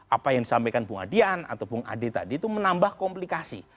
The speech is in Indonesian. apa yang disampaikan bung adian atau bung ade tadi itu menambah komplikasi